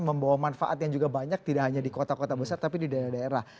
membawa manfaat yang juga banyak tidak hanya di kota kota besar tapi di daerah daerah